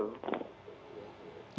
ya selamat pagi